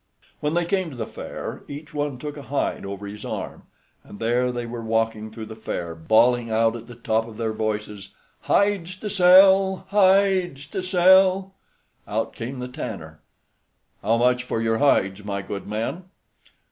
When they came to the fair, each one took a hide over his arm, and there they were walking through the fair, bawling out at the top of their voices, "Hides to sell! hides to sell.'" Out came the tanner: "How much for your hides, my good men?"